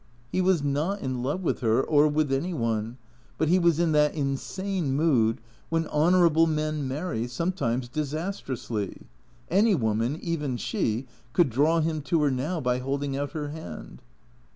He was not in love with her or with any one, but he was in tbat insane mood when honourable men marry, sometimes disas trously. Any woman, even she, could draw him to her now by holding out her hand.